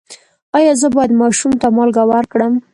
ایا زه باید ماشوم ته مالګه ورکړم؟